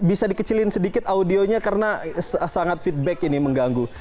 bisa dikecilin sedikit audionya karena sangat feedback ini mengganggu